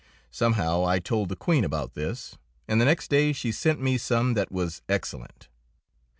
Somehow I told the Queen about this, and the next day she sent me some that was excellent.